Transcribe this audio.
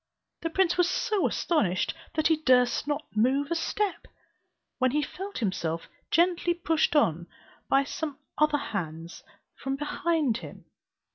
The prince was so astonished that he durst not move a step; when he felt himself gently pushed on by some other hands from behind him.